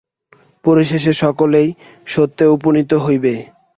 পরিশেষে সকলেই সত্যে উপনীত হইবে।